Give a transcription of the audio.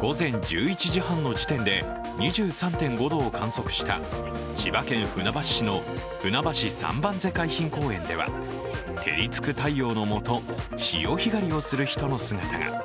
午前１１時半の時点で２３．５度を観測した千葉県船橋市のふなばし三番瀬海浜公園では照りつく太陽のもと潮干狩りをする人の姿が。